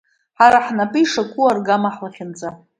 Ҳа хнапы ишаку аргама ҳлахьынҵа.